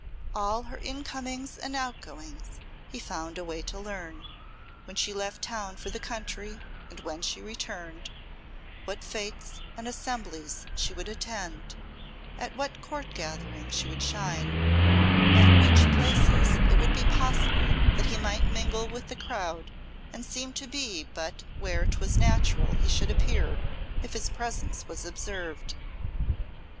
All her incomings and outgoings he found a way to learn, when she left town for the country, and when she returned, what fêtes and assemblies she would attend, at what Court gathering she would shine, at which places it would be possible that he might mingle with the crowd and seem to be but where 'twas natural he should appear, if his presence was observed.